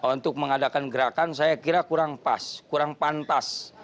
untuk mengadakan gerakan saya kira kurang pas kurang pantas